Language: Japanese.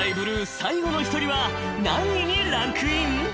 最後の一人は何位にランクイン？］